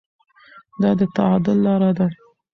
دا د تعادل لاره ده.